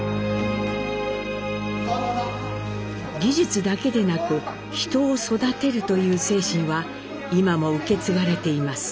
技術だけでなく「人を育てる」という精神は今も受け継がれています。